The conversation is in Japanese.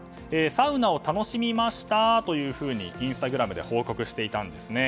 サウナを楽しみましたとインスタグラムで報告していたんですね。